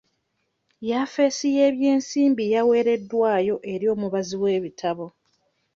Yafesi y'eby'ensimbi yaweereddwayo eri omubazi w'ebitabo.